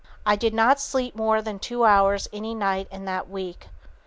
"I did not sleep more than two hours any night in that week.